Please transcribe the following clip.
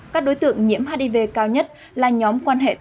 các đối tượng nhiễm hiv cao nhất là nhóm quan hệ tổng hợp